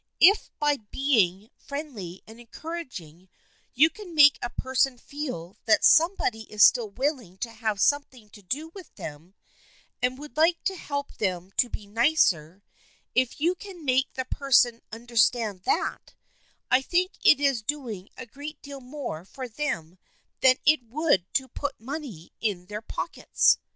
If by being 296 THE FRIENDSHIP OF ANNE friendly and encouraging you can make a person feel that somebody is still willing to have some thing to do with them, and would like to help them to be nicer — if you can make the person un derstand that, I think it is doing a great deal more for them than it would to put money in their pockets.